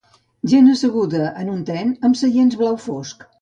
Gent asseguda en un tren amb seients blau fosc